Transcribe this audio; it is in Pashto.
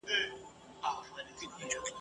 هغه ښار چي تا یې نکل دی لیکلی ,